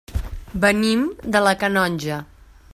Venim de la Canonja.